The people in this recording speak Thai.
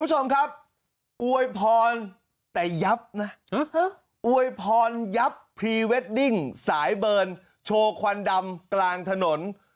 คุณผู้ชมครับอวยพรแต่ยับนะอวยพรยับพรีเวดดิ้งสายเบิร์นโชว์ควันดำกลางถนน